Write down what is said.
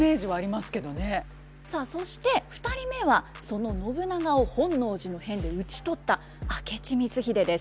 さあそして２人目はその信長を本能寺の変で討ち取った明智光秀です。